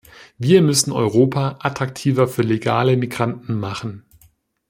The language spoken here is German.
Wir müssen Europa attraktiver für legale Migranten machen.